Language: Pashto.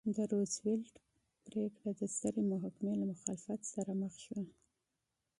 د روزولټ پرېکړه د سترې محکمې له مخالفت سره مخ شوه.